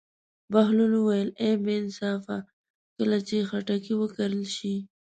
بهلول وویل: ای بې انصافه کله چې خټکی وکرل شي.